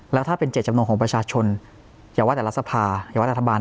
แล้วถ้าเป็นเจตจำนวนของประชาชนอย่าว่าแต่รัฐสภาอย่าว่ารัฐบาล